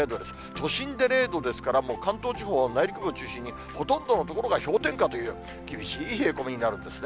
都心で０度ですから、もう関東地方は内陸部中心に、ほとんどの所が氷点下という厳しい冷え込みになるんですね。